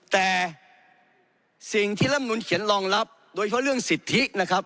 แต่สิ่งที่รำนุนเขียนรองรับโดยเฉพาะเรื่องสิทธินะครับ